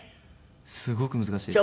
すごく難しいです。